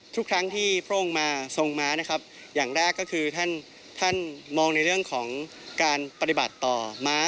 ทุกครั้งที่พระองค์มาทรงม้านะครับอย่างแรกก็คือท่านท่านมองในเรื่องของการปฏิบัติต่อม้า